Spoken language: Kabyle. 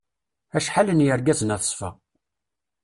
Acḥal n yergazen at ṣṣfa.